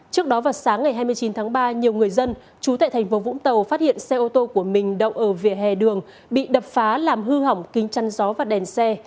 trước đó vào sáng ngày hai mươi chín tháng ba nhiều người dân chú tại thành phố vũng tàu phát hiện xe ô tô của mình đậu ở vỉa hè đường bị đập phá làm hư hỏng kính chăn gió và đèn xe